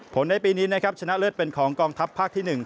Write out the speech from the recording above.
ผลในปีนี้ชนะเลิศเป็นของกองทัพภักดิ์ที่๑